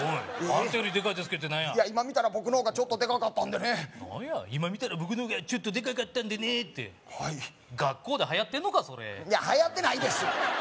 「あんたよりデカイ」って何や今見たら僕の方がちょっとデカかったんでね何や「今見たら僕の方がちょっとデカかったんでね」って学校ではやってんのかそれいやはやってないですよ